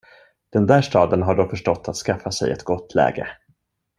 Den där staden har då förstått att skaffa sig ett gott läge.